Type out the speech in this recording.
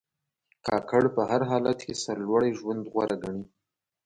کاکړ په هر حالت کې سرلوړي ژوند غوره ګڼي.